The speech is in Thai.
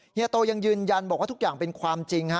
เฮียโตยังยืนยันบอกว่าทุกอย่างเป็นความจริง